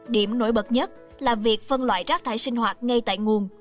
điểm nổi bật nhất là việc phân loại rác thải sinh hoạt ngay tại nguồn